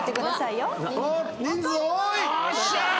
よっしゃ！